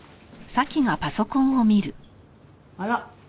あら？